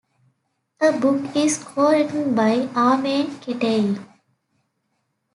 The book is co-written by Armen Keteyian.